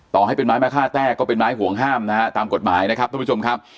ต่อให้เป็นไม้มะค่าแต้ก็เป็นไม้ห่วงห้ามนะฮะตามกฎหมายนะครับทุกผู้ชมครับ